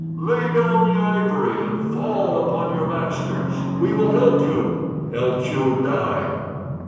Lay down the ivory, and fall upon your masters—we will help you. Else you die!"